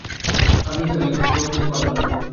আমি নিসার আলির প্রশ্নের জবাব দিতে পারলাম না।